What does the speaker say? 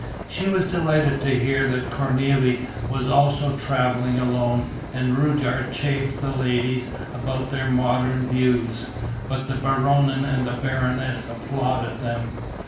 She was delighted to hear that Cornélie was also travelling alone; and Rudyard chaffed the ladies about their modern views, but the Baronin and the Baronesse applauded them.